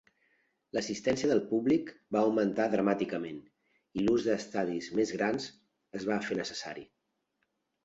L'assistència del públic va augmentar dramàticament, i l'ús d'estadis més grans es va fer necessari.